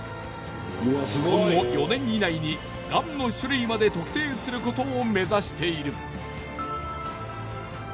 今後４年以内にがんの種類まで特定することを目指している。